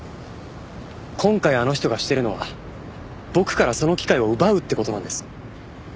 今回あの人がしてるのは僕からその機会を奪うって事なんです。